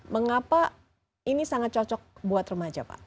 mengapa ini sangat cocok buat remaja pak